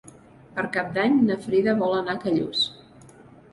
Per Cap d'Any na Frida vol anar a Callús.